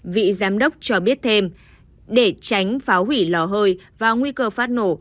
vị giám đốc cho biết thêm để tránh phá hủy lò hơi và nguy cơ phát nổ